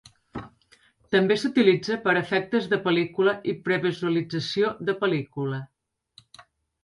També s'utilitza per a efectes de pel·lícula i previsualització de pel·lícula.